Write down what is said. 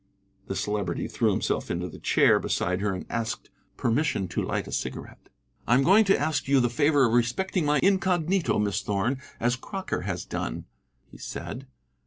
The Celebrity threw himself into the chair beside her and asked permission to light a cigarette. "I am going to ask you the favor of respecting my incognito, Miss Thorn, as Crocker has done," he said.